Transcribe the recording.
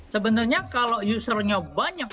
sebenarnya kalau usernya banyak